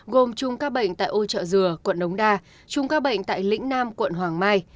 gồm chung ca bệnh tại âu trợ dừa quận nống đa chung ca bệnh tại lĩnh nam quận hoàng mai